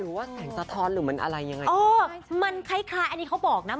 เหมือนเป็นแสงสะท้อนหรือเป็นอะไรยังไง